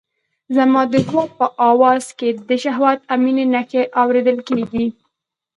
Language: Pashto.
زما د ځواب په آواز کې د شهوت او مينې نښې اورېدل کېدې.